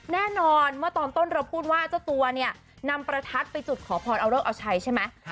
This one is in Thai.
แน่นอนเมื่อตอนต้นเราพูดว่าเจ้าตัวเนี่ยนำประทัดไปจุดขอพรเอาเลิกเอาชัยใช่ไหม